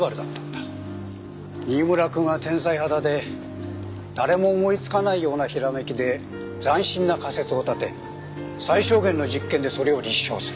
新村君は天才肌で誰も思いつかないようなひらめきで斬新な仮説を立て最小限の実験でそれを立証する。